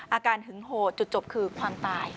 หึงโหดจุดจบคือความตาย